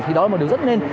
thì đó là một điều rất nên